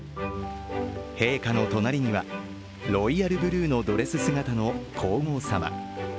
陛下の隣にはロイヤルブルーのドレス姿の皇后さま。